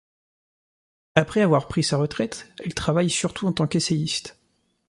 Après avoir pris sa retraite, elle travaille surtout en tant qu’essayiste.